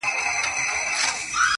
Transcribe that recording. یا ډوډۍ خوړل کوم فضیلت نهدی